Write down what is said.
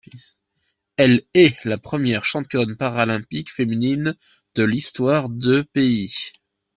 Elle est la première championne paralympique féminine de l'histoire de pays.